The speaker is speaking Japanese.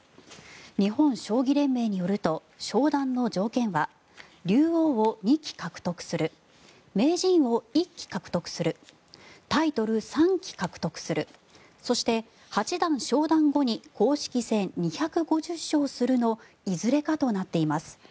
日本将棋連盟によると昇段の条件は竜王を２期獲得する名人を１期獲得するタイトル、３期獲得するそして、八段昇段後に公式戦２５０勝するのいずれかとなっています。